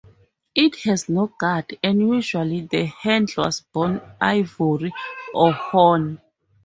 It has no guard, and usually the handle was bone, ivory, or horn.